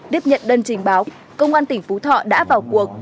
tiếp nhận đơn trình báo công an tỉnh phú thọ đã vào cuộc